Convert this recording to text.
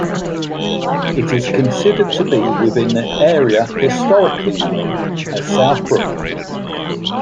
It is considered to be within the area historically known as South Brooklyn.